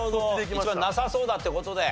一番なさそうだって事で。